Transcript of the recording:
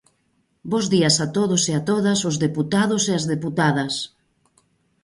Bos días a todos e a todas os deputados e as deputadas.